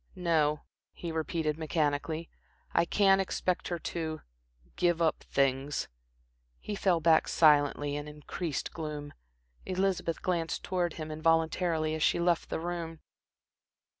"No," he repeated, mechanically. "I can't expect her to give up things." He fell back silently, in increased gloom. Elizabeth glanced towards him involuntarily as she left the room.